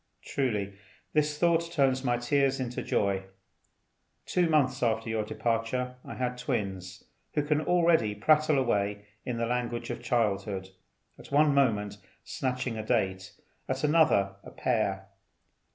Truly this thought turns my tears into joy. Two months after your departure I had twins, who can already prattle away in the language of childhood, at one moment snatching a date, at another a pear.